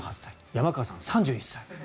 山川さん、３１歳。